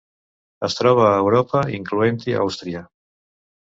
Es troba a Europa, incloent-hi Àustria.